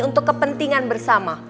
untuk kepentingan bersama